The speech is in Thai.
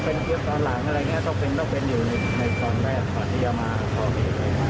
ถ้าอยู่ที่หลักฐานต้องเป็นจริงไหมมีการรักษามั้ย